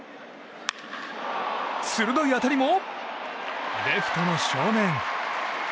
鋭い当たりも、レフトの正面。